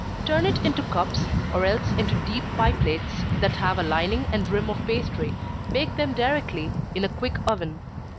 Turn it into cups, or else into deep pie plates, that have a lining and rim of pastry bake them directly, in a quick oven.